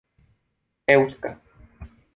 eŭska